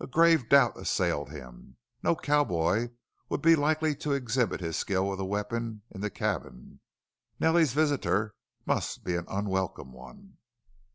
A grave doubt assailed him. No cowboy would be likely to exhibit his skill with a weapon in the cabin! Nellie's visitor must be an unwelcome one!